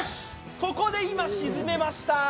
ここで今、沈めました。